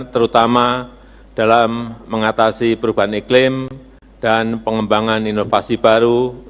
terutama dalam mengatasi perubahan iklim dan pengembangan inovasi baru